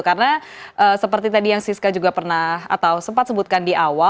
karena seperti tadi yang siska juga pernah atau sempat sebutkan